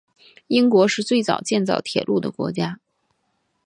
英国是最早建造铁路的国家。